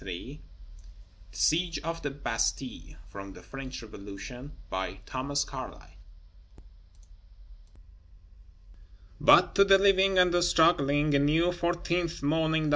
THE SIEGE OF THE BASTILLE From 'The French Revolution' But, to the living and the struggling, a new, Fourteenth morning dawns.